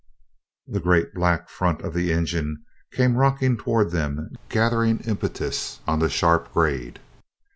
The great black front of the engine came rocking toward them, gathering impetus on the sharp grade.